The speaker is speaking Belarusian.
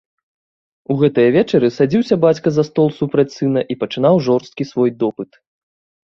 У гэтыя вечары садзіўся бацька за стол супраць сына і пачынаў жорсткі свой допыт.